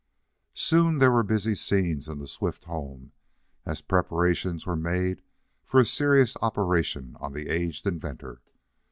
Soon there were busy scenes in the Swift home, as preparations were made for a serious operation on the aged inventor.